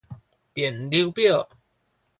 電流表